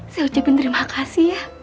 saya ucapin terima kasih ya